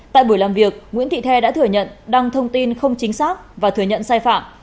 tại buổi làm việc nguyễn thị the đã thừa nhận đăng thông tin không chính xác và thừa nhận sai phạm